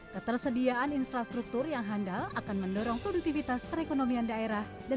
ketersediaan infrastruktur yang handal akan mendorong produktivitas perekonomian daerah dan